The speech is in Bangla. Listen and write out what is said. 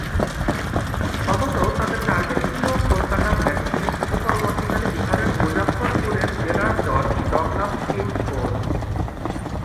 অথচ তাদের টার্গেট ছিল কলকাতার ম্যাজিস্ট্রেট ও পরবর্তীকালে বিহারের মুজাফ্ফরপুরের জেলা জজ ডগলাস কিংসফোর্ড।